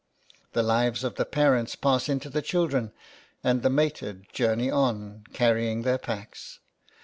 The lives of the parents pass into the children, and the mated journey on, carrying their packs.